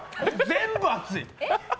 全部熱い。